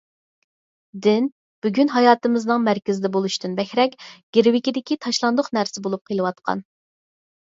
دىن بۈگۈن ھاياتىمىزنىڭ مەركىزىدە بولۇشتىن بەكرەك گىرۋىكىدىكى تاشلاندۇق نەرسە بولۇپ قېلىۋاتقان.